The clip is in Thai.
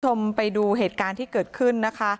คุณผู้ชมไปดูเหตุการณ์ที่เกิดขึ้นนะคะ